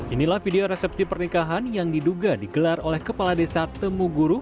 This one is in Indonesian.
inilah video resepsi pernikahan yang diduga digelar oleh kepala desa temuguru